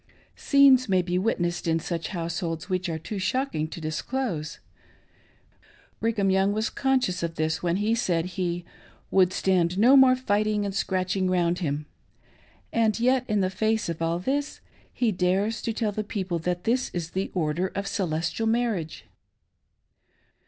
Scenes may be witnessed in such households which are too shocking to dis close. Brigham Young was conscious of this when he §qid he " would stand no more fighting and scratching around him" ; and yet, in the face of all this, he dares to tell the people that this is the " Order of Celestial Marriage."